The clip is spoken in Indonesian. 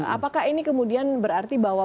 apakah ini kemudian berarti bahwa